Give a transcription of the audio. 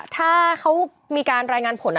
ถ้าเขามีการรายงานผล